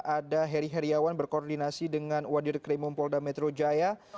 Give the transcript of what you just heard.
ada heri heriawan berkoordinasi dengan wadid krimumpolda metro jaya